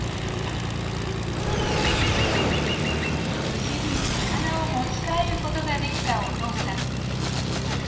無事に魚を持ち帰ることができたお父さん。